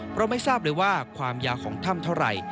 เพราะไม่ทราบเลยว่าความยาวของถ้ำเท่าไหร่